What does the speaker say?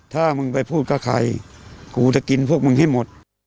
ถ้ามึงไปพูดกับใครกูจะกินพวกมึงให้หมด